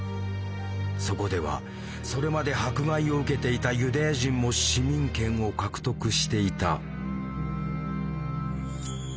そこではそれまで迫害を受けていたユダヤ人も市民権を獲得していた。